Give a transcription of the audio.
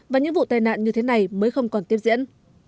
và những vụ tai nạn như thế này mới không còn tiếp diễn